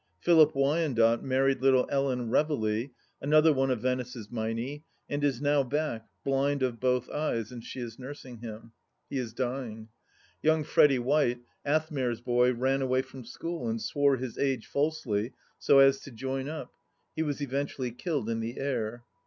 Philip Wyandotte married little Ellen Reveley — another one of Venice's Meinie — and is now back, blind of both eyes, and she is nursing him. He is dying. Young Freddy White, Athmare's boy, ran away from school and swore his age falsely, so as to join up ; he was eventually killed in the air.